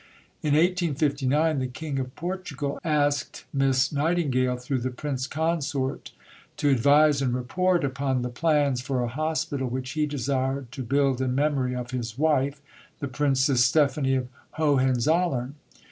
In 1859 the King of Portugal asked Miss Nightingale through the Prince Consort to advise and report upon the plans for a hospital which he desired to build in memory of his wife, the Princess Stephanie of Hohenzollern.